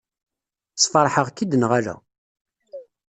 Sfeṛḥeɣ-k-id neɣ ala?